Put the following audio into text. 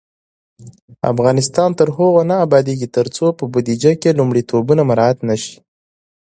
افغانستان تر هغو نه ابادیږي، ترڅو په بودیجه کې لومړیتوبونه مراعت نشي.